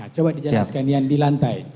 coba dijelaskan yang di lantai